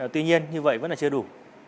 tuy nhiên như vậy vẫn là chưa đủ